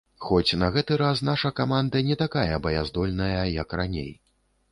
Хоць на гэты раз наша каманда не такая баяздольная, як раней.